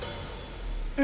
え？